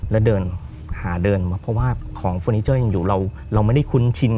แล้วเดินหาเดินมาเพราะว่าของเฟอร์นิเจอร์ยังอยู่เราไม่ได้คุ้นชิน